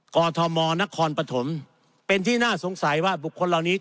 กอทมนครปฐมเป็นที่น่าสงสัยว่าบุคคลเหล่านี้